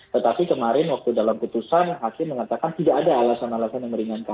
tetapi kemarin waktu dalam putusan hakim mengatakan tidak ada alasan alasan yang meringankan